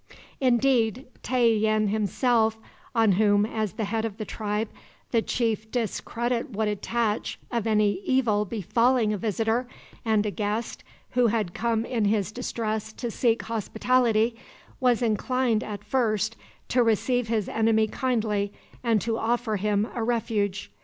Indeed, Tayian himself, on whom, as the head of the tribe, the chief discredit would attach of any evil befalling a visitor and a guest who had come in his distress to seek hospitality, was inclined, at first, to receive his enemy kindly, and to offer him a refuge.